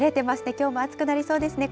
きょうも暑くなりそうですね。